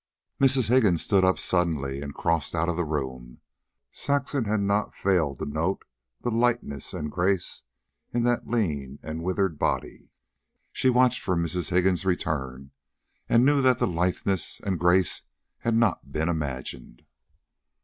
Mrs. Higgins stood up suddenly and crossed out of the room. Saxon had not failed to note the litheness and grace in that lean and withered body. She watched for Mrs. Higgins' return, and knew that the litheness and grace had not been imagined.